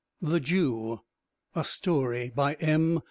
_ THE JEW (A STORY) BY M.